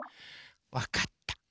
わかった。